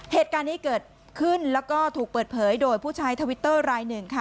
เหตุการณ์นี้เกิดขึ้นแล้วก็ถูกเปิดเผยโดยผู้ใช้ทวิตเตอร์รายหนึ่งค่ะ